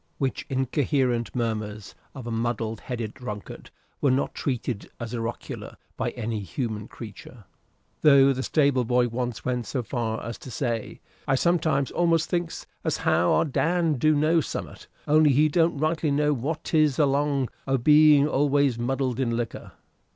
Which incoherent murmurs of a muddle headed drunkard were not treated as oracular by any human creature, though the stable boy once went so far as to say, "I sometimes almost thinks as how our Dan do know summut; only he don't rightly know what 'tis, along o' being always muddled in liquor."